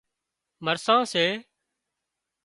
مرسان سي